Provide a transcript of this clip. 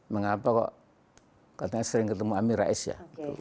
mengapa kok katanya sering ketemu amin rais ya